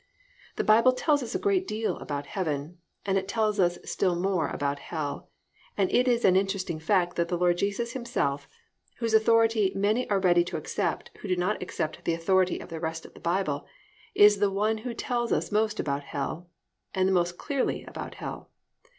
The Bible tells us a great deal about heaven, and it tells us still more about hell, and it is an interesting fact that the Lord Jesus Himself, whose authority many are ready to accept who do not accept the authority of the rest of the Bible, is the One Who tells us the most about hell, and the most clearly about hell.